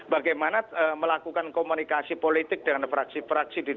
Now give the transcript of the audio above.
bagaimana melakukan komunikasi politik dengan praksi praksi di dprd